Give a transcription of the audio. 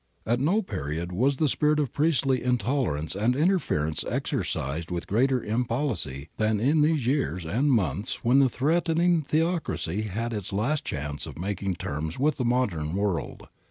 At no period was the spirit of priestly intolerance and interference exercised with greater impolicy than in these years and months when the threatened theocracy had its last chance of making terms with the modern world.